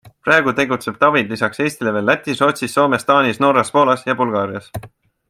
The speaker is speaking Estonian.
Praegu tegutseb Tavid lisaks Eestile veel Lätis, Rootsis, Soomes, Taanis, Norras, Poolas ja Bulgaarias.